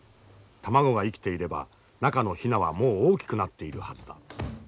卵が生きていれば中のヒナはもう大きくなっているはずだ。